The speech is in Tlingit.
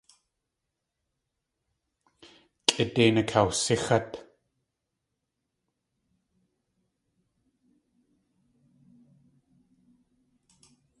Kʼidéin akawsixát.